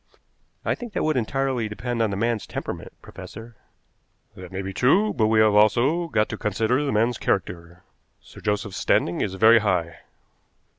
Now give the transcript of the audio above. "I think that would entirely depend on the man's temperament, professor." "That may be true, but we have also got to consider the man's character. Sir Joseph's standing is very high."